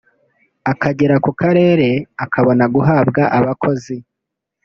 akagera ku karere akabona guhabwa abakozi